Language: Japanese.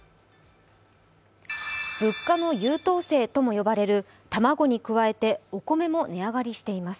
物価の優等生とも呼ばれる卵に加えてお米も値上がりしています。